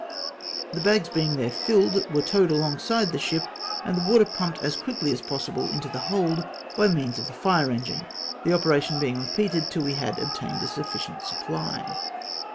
The bags being there filled, were towed alongside the ship, and the water pumped as quickly as possible into the hold by means of the fire engine, the operation being repeated till we had obtained a sufficient supply.